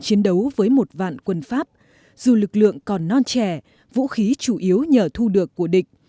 chiến đấu với một vạn quân pháp dù lực lượng còn non trẻ vũ khí chủ yếu nhờ thu được của địch